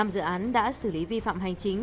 năm dự án đã xử lý vi phạm hành chính